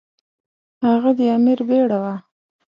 هغه د امیر بیړه وه.